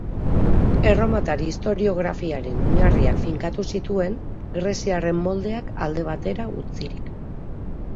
Erromatar historiografiaren oinarriak finkatu zituen, greziarren moldeak alde batera utzirik.